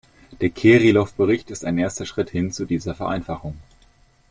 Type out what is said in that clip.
Der Kirilov-Bericht ist ein erster Schritt hin zu dieser Vereinfachung.